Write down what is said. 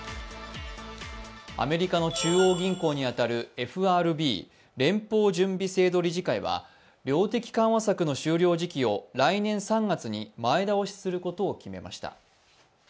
アメリカの中央銀行に当たるＦＲＢ＝連邦準備制度理事会は量的緩和策の終了時期を来年３月に前倒しすることを決めました。